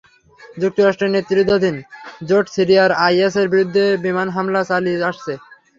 যুক্তরাষ্ট্রের নেতৃত্বাধীন জোট সিরিয়ায় আইএসের বিরুদ্ধে বিমান হামলা চালিয়ে আসছে।